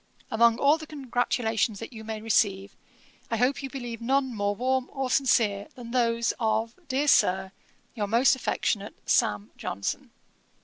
Among all the congratulations that you may receive, I hope you believe none more warm or sincere, than those of, dear Sir, 'Your most affectionate, 'SAM. JOHNSON.'